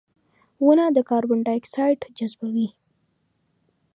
• ونه د کاربن ډای اکساید جذبوي.